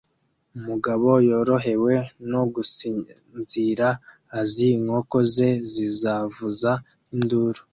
Umugabo yorohewe no gusinzira azi inkoko ze zizavuza induru